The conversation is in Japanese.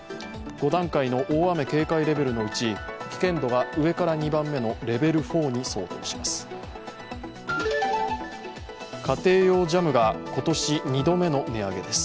５段階ある大雨警戒レベルのうち危険度が上から２番目のレベル４に相当します。